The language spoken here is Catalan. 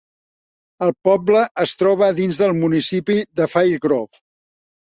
El poble es troba dins del municipi de Fairgrove.